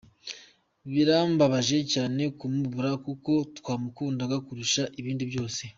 Birambabaje cyane kumubura kuko twakundanaga kurusha ibindi byose.